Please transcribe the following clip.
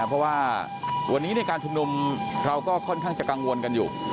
เพราะว่าวันนี้ในการชุมนุมเราก็ค่อนข้างจะกังวลกันอยู่